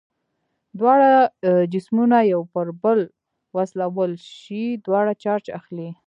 دواړه جسمونه یو پر بل وسولول شي دواړه چارج اخلي.